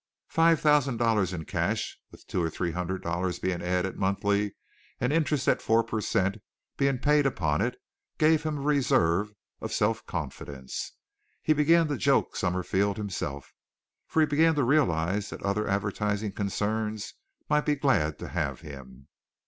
Five thousand dollars in cash, with two or three hundred dollars being added monthly, and interest at four per cent, being paid upon it, gave him a reserve of self confidence. He began to joke Summerfield himself, for he began to realize that other advertising concerns might be glad to have him.